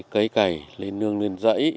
cấy cày lên nương lên rẫy